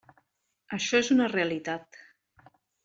Això és una realitat.